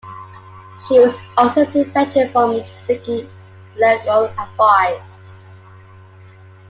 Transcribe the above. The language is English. She was also prevented from seeking legal advice.